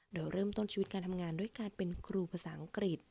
โดยเริ่มต้นชีวิตการทำงานด้วยการเป็นครูภาษาอังกฤษ